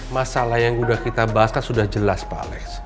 masalah yang sudah kita bahas kan sudah jelas pak alex